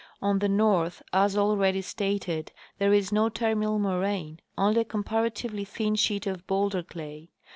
On the north, as already stated, there is no terminal moraine— only a comparatively thin sheet of boAvlder clay.